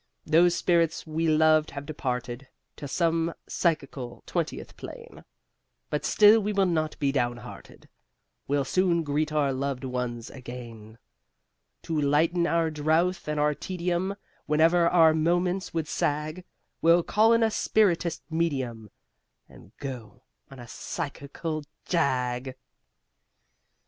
Those spirits we loved have departed To some psychical twentieth plane; But still we will not be downhearted, We'll soon greet our loved ones again To lighten our drouth and our tedium Whenever our moments would sag, We'll call in a spiritist medium And go on a psychical jag!